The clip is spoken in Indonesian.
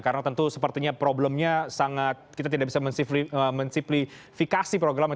karena tentu sepertinya problemnya sangat kita tidak bisa mensiplifikasi programnya